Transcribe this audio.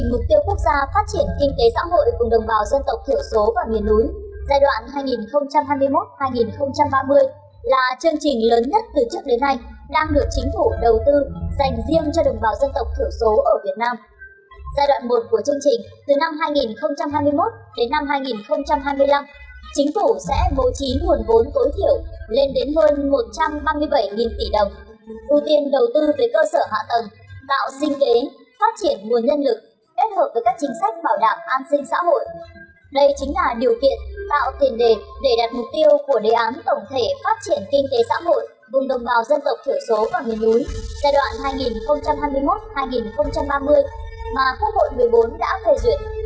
vùng đồng bào dân tộc thử số và nguyên núi giai đoạn hai nghìn hai mươi một hai nghìn ba mươi mà khu hội một mươi bốn đã phê duyệt